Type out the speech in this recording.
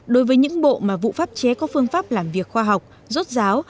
đối với những bộ mà vụ pháp chế có phương pháp làm việc khoa học rốt giáo